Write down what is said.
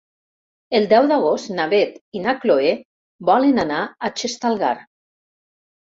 El deu d'agost na Beth i na Chloé volen anar a Xestalgar.